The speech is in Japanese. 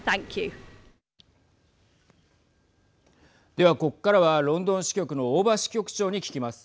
では、ここからはロンドン支局の大庭支局長に聞きます。